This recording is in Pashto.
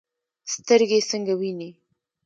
سترګې څنګه ویني؟